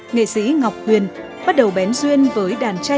nghệ sĩ ngọc huyền bắt đầu bén duyên với đàn tranh